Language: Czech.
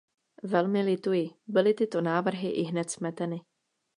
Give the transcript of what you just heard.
Velmi lituji, byly tyto návrhy ihned smeteny.